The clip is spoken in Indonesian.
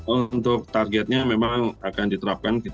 untuk targetnya memang akan diterapkan